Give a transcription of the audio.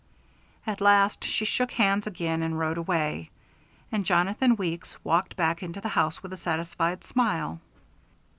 At last she shook hands again and rode away, and Jonathan Weeks walked back into the house with a satisfied smile.